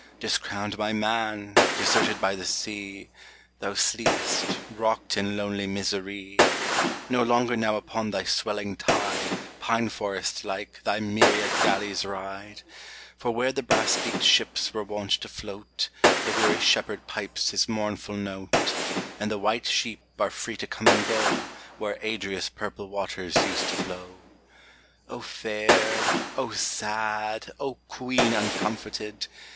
Discrowned by man, deserted by the sea, Thou sleepest, rocked in lonely misery ! No longer now upon thy swelling tide, Pine forest like, thy myriad galleys ride ! For where the brass beaked ships were wont to float, The weary shepherd pipes his mournful note ; And the white sheep are free to come and go Where Adria's purple waters used to flow. O fair ! O sad ! O Queen uncomforted